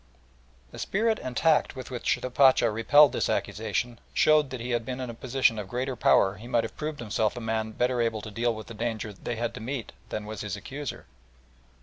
The spirit and tact with which the Pacha repelled this accusation showed that had he been in a position of greater power he might have proved himself a man better able to deal with the danger they had to meet than was his accuser.